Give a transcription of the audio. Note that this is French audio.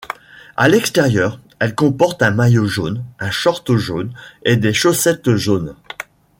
À l'extérieur, elle comporte un maillot jaune, un short jaune et des chaussettes jaunes.